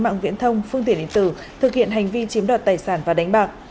mạng viễn thông phương tiện điện tử thực hiện hành vi chiếm đoạt tài sản và đánh bạc